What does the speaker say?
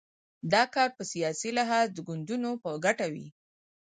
دا کار په سیاسي لحاظ د ګوندونو په ګټه وي.